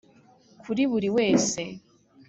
kuri buri wese.